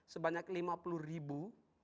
sebanyak lima puluh ribu